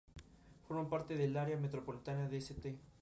Forma parte del área metropolitana de St.